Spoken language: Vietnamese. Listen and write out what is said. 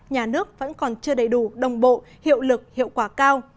nhà nước vẫn còn chưa đầy đủ đồng bộ hiệu lực hiệu quả cao